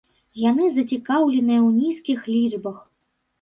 Яны зацікаўленыя ў нізкіх лічбах.